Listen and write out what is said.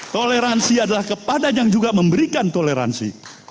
toleransi adalah kepada yang juga memberikan toleransi